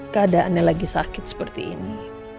keadaannya lagi sakit seperti ini